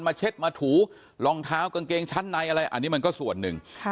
เช็ดมาถูรองเท้ากางเกงชั้นในอะไรอันนี้มันก็ส่วนหนึ่ง